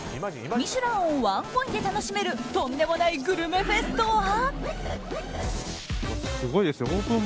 「ミシュラン」をワンコインで楽しめるとんでもないグルメフェスとは。